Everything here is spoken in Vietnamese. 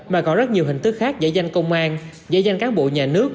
mà còn rất nhiều hình thức khác giải danh công an giải danh cán bộ nhà nước